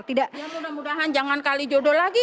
tidak ya mudah mudahan jangan kali jodoh lagi